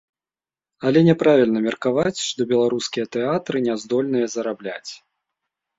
Але няправільна меркаваць, што беларускія тэатры не здольныя зарабляць.